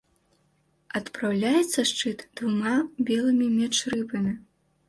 Апраўляецца шчыт двума белымі меч-рыбамі.